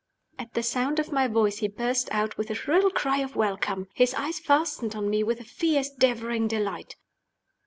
At the sound of my voice he burst out with a shrill cry of welcome. His eyes fastened on me with a fierce, devouring delight.